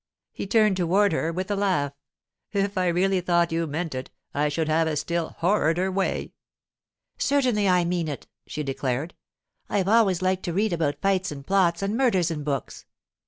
He turned back toward her with a laugh. 'If I really thought you meant it, I should have a still "horrider" way.' 'Certainly I mean it,' she declared. 'I've always liked to read about fights and plots and murders in books.